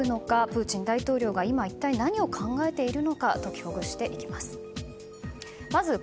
プーチン大統領が今、一体何を考えているのか解きほぐしていきます。